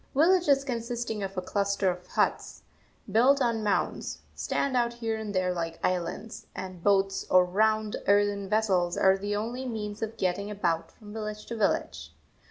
Villages consisting of a cluster of huts, built on mounds, stand out here and there like islands, and boats or round, earthen vessels are the only means of getting about from village to village.